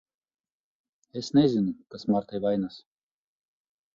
Es nezinu, kas Martai vainas.